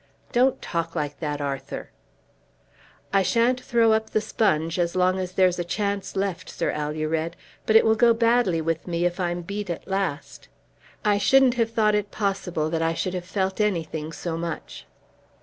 "Don't talk like that, Arthur." "I shan't throw up the sponge as long as there's a chance left, Sir Alured. But it will go badly with me if I'm beat at last. I shouldn't have thought it possible that I should have felt anything so much."